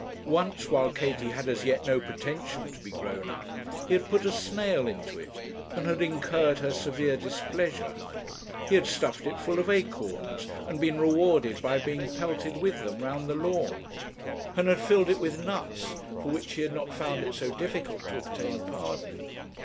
Once, while Katie had as yet no pretension to be grown up, he had put a snail into it, and had incurred her severe displeasure. He had stuffed it full of acorns, and been rewarded by being pelted with them round the lawn; and had filled it with nuts, for which he had not found it so difficult to obtain pardon.